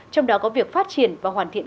trong đó có việc phát triển và hoàn thiện